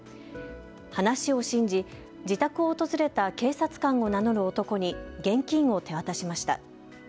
話を信じ、自宅を訪れた警察官を名乗る男に現金を手渡しました。